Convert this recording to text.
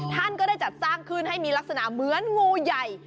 ท่านก็ได้จัดสร้างขึ้นให้มีลักษณะเหมือนงูใหญ่